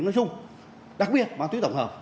nói chung đặc biệt ma túy tổng hợp